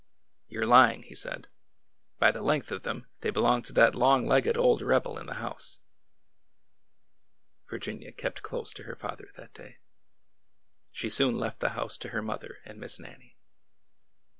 ''You're lying!" he said. "By the length of them, they belong to that long legged old rebel in the house." Virginia kept close to her father that day. She soon left the house to her mother and Miss Nannie.